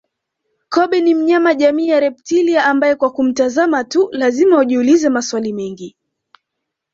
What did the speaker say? Kobe ni mnyama jamii ya reptilia ambaye kwa kumtazama tu lazima ujiulize maswali mengi